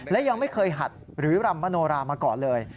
และยังไม่เคยหัดหรือรำมโนรามาก่อนเลย